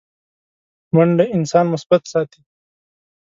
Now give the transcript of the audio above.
منډه انسان مثبت ساتي